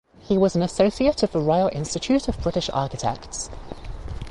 He was an Associate of the Royal Institute of British Architects.